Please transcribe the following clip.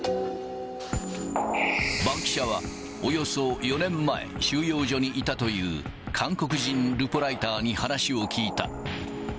バンキシャはおよそ４年前、収容所にいたという、韓国人ルポライターに話を聞いた。